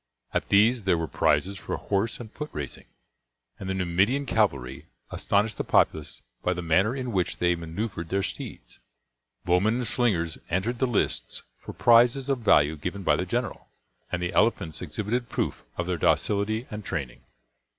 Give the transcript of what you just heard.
At these there were prizes for horse and foot racing, and the Numidian cavalry astonished the populace by the manner in which they maneuvered their steeds; bowmen and slingers entered the lists for prizes of value given by the general; and the elephants exhibited proof of their docility and training.